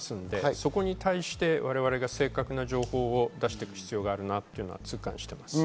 そこに対して我々が正確な情報を出していく必要があるなと痛感しています。